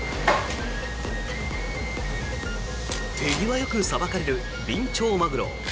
手際よくさばかれるビンチョウマグロ。